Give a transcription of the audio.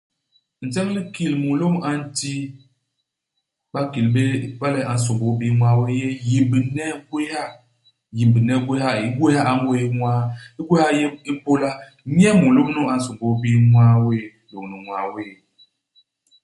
Nseñ u likil mulôm a nti bakil béé iba le a nsômbôl bii ñwaa wéé u yé yimbne i gwéha. Yimbne i gwéha i. Igwéha a ngwés ñwaa. Igwéha i yé ipôla nye i mulôm nu a nsômbôl bii ñwaa wéé, lôñni ñwaa wéé.